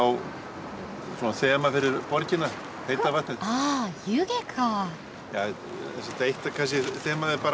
あ湯気か。